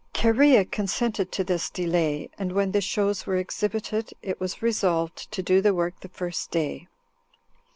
Cherea consented to this delay; and when the shows were exhibited, it was resolved to do the work the first day.